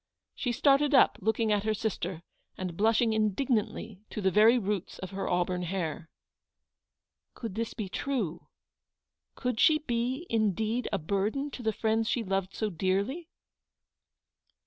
She started up, looking at her sister, and blushing indignantly to the very roots of her auburn hair. Could this be true? Could she be indeed a burden to the friends she loved so dearly